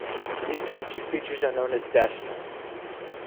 These types of speeches are known as deshnas.